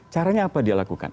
caranya apa dia lakukan